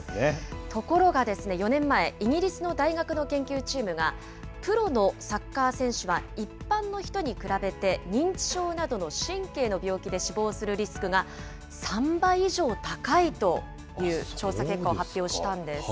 ところがですね、４年前、イギリスの大学の研究チームが、プロのサッカー選手は一般の人に比べて、認知症などの神経の病気で死亡するリスクが３倍以上高いという調査結果を発表したんです。